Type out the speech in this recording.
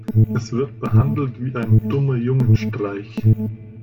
Es wird behandelt wie ein Dummejungenstreich.